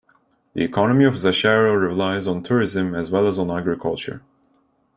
The economy of Zacharo relies on tourism as well as on agriculture.